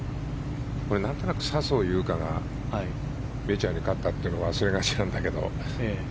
なんとなく笹生優花がメジャーに勝ったというのを忘れがちなんだけど。